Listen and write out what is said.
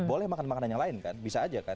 boleh makan makanan yang lain kan bisa aja kan